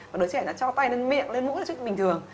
và đứa trẻ nó cho tay lên miệng lên mũi là chuyện bình thường